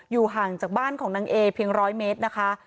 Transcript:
ห่างจากบ้านของนางเอเพียง๑๐๐เมตรนะคะ